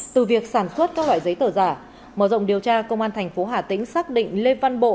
từ việc sản xuất các loại giấy tờ giả mở rộng điều tra công an thành phố hà tĩnh xác định lê văn bộ